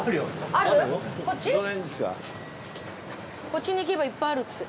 こっちに行けばいっぱいあるって。